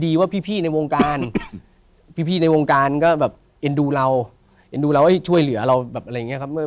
ดีว่าพี่ในวงการพี่ในวงการก็แบบเอ็นดูเราเอ็นดูเราช่วยเหลือเรา